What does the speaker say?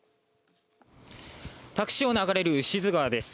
多久市を流れる牛津川です。